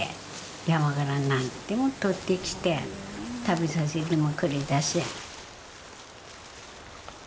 山から何でもとってきて食べさせてもくれたし。